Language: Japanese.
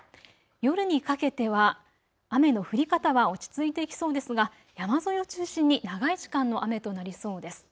夜にかけては雨の降り方は落ち着いてきそうですが山沿いを中心に長い時間の雨となりそうです。